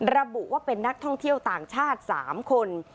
ระบุว่าเป็นนักท่องเที่ยวต่างชาติ๓คน